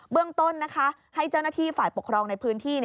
เรื่องต้นให้เจ้าหน้าที่ฝ่ายปกครองในพื้นที่